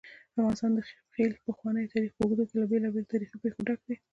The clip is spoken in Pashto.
افغانستان د خپل پخواني تاریخ په اوږدو کې له بېلابېلو تاریخي پېښو ډک دی.